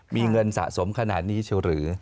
มีเงินสะสมขนาดนี้จะหรือ